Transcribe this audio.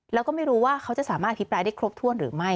แล้วก็ไม่รู้ว่าเขาจะสามารถอภิปรายได้ครบถ้วนหรือไม่